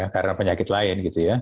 karena penyakit lain